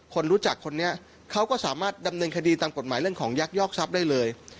คนรู้จักคนนี้เขาก็สามารถดำเนินคดีตามกฎหมายเรื่องของยักยอกทรัพย์ได้เลย